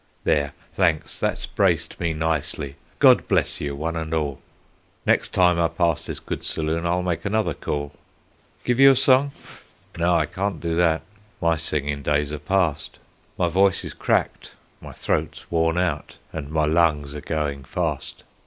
"There, thanks, that's braced me nicely; God bless you one and all; Next time I pass this good saloon I'll make another call. Give you a song? No, I can't do that; my singing days are past; My voice is cracked, my throat's worn out, and my lungs are going fast.